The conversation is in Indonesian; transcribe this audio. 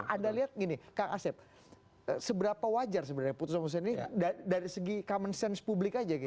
anda lihat gini kak asep seberapa wajar sebenarnya putusan putusan ini dari segi common sense publik aja gitu